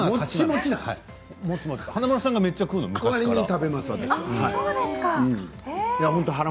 華丸さんはめっちゃ食うの昔から。